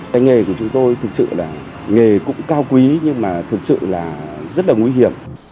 cái nghề của chúng tôi thực sự là nghề cũng cao quý nhưng mà thực sự là rất là nguy hiểm